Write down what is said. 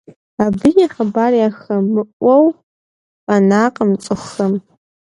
Абы и хъыбар яхэмыӀуэу къэнакъым цӀыхухэм.